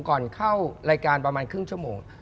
ก่อนเข้ารายการประมาณครึ่งชั่วโมง